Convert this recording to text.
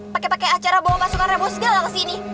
pakai pakai acara bawa masukan rebo segala kesini